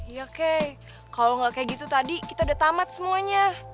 ya kay kalau tidak seperti itu tadi kita sudah tamat semuanya